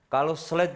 kalau slide beliau ada